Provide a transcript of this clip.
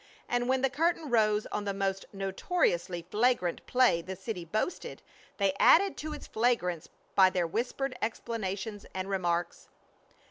And when the curtain rose on the most notoriously flagrant play the city boasted, they added to its flagrance by their whispered explanations and remarks.